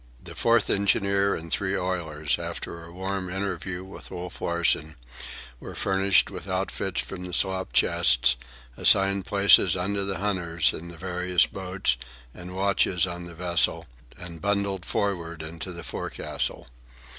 The fourth engineer and the three oilers, after a warm interview with Wolf Larsen, were furnished with outfits from the slop chests, assigned places under the hunters in the various boats and watches on the vessel, and bundled forward into the forecastle.